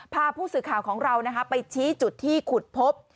พาผู้สื่อข่าวของเราไปชี้จุดที่ขุดพบ